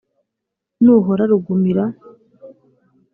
nuhora rugumira,